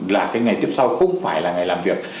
là cái ngày tiếp sau không phải là ngày làm việc